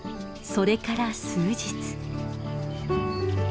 それから数日。